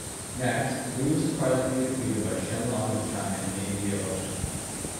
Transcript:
Next, Lee was surprisingly defeated by Chen Long of China in the India Open.